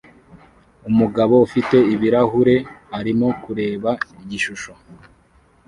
Umugabo ufite ibirahure arimo kureba igishusho